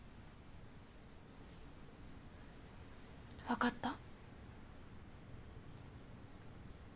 分かった。